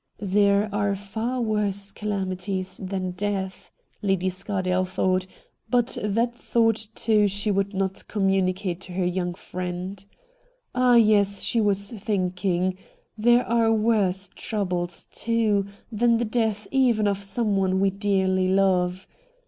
' There are far worse calamities than death,' Lady Scardale thought ; but that thought, too, she would not communicate to her young friend. Ah yes, she was thinking — there are worse troubles, too, than the death even of someone we dearly love